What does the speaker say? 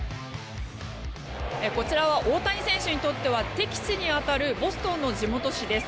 こちらは大谷選手にとっては敵地に当たるボストンの地元紙です。